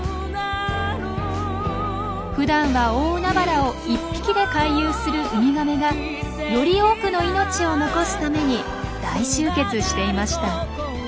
ふだんは大海原を１匹で回遊するウミガメがより多くの命を残すために大集結していました。